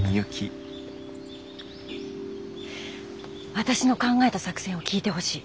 私の考えた作戦を聞いてほしい。